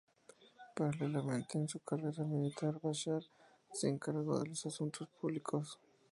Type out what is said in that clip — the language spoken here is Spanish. Paralelamente a su carrera militar, Bashar se encargó de los asuntos públicos.